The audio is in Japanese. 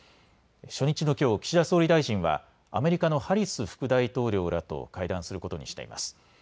初日のきょう、岸田総理大臣はアメリカのハリス副大統領らと会談することにしています。